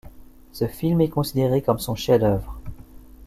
Ce film est considéré comme son chef d'œuvre.